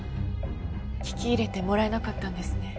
聞き入れてもらえなかったんですね。